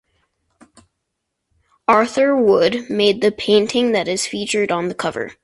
Arthur Wood made the painting that is featured on the cover.